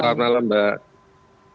selamat malam mbak